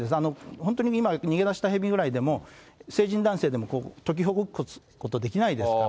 本当に今、逃げ出したヘビぐらいでも、成人男性でも解きほぐすことできないですから。